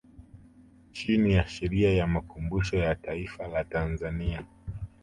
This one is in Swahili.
Chini ya sheria ya makumbusho ya Taifa la Tanzania